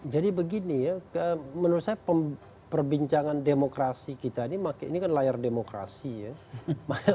jadi begini ya menurut saya perbincangan demokrasi kita ini kan layar demokrasi ya